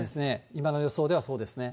今の予想ではそうですね。